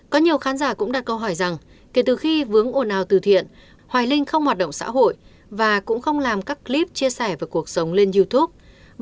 có nhiều khán giả cũng đặt câu hỏi rằng kể từ khi vướng ồn ào từ thiện hoài linh không hoạt động xã hội và cũng không làm các clip chia sẻ về cuộc sống lên youtube